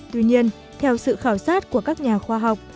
tuy nhiên theo sự khảo sát của các nhà khoa học